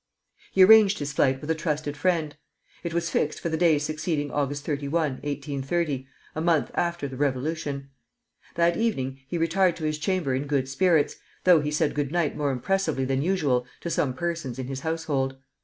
He arranged his flight with a trusted friend; it was fixed for the day succeeding Aug. 31, 1830, a month after the Revolution. That evening he retired to his chamber in good spirits, though he said good night more impressively than usual to some persons in his household.